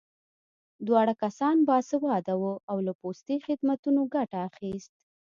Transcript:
دواړه کسان باسواده وو او له پوستي خدمتونو ګټه اخیست